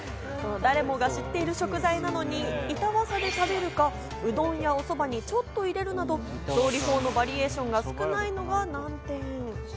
誰もが知っている食材なのに、板わさで食べるか、うどんやおそばにちょっと入れるなど、料理法のバリエーションが少ないのが難点。